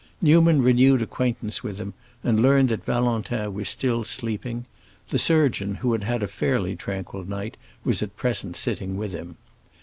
Newman renewed acquaintance with him, and learned that Valentin was still sleeping; the surgeon, who had had a fairly tranquil night, was at present sitting with him.